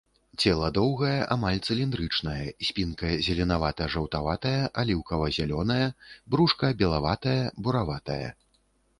Цела доўгае, амаль цыліндрычнае, спінка зеленавата-жаўтаватая, аліўкава-зялёная, брушка белаватае, бураватае.